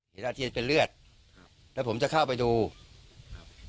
อาเจียนเป็นเลือดครับแล้วผมจะเข้าไปดูครับ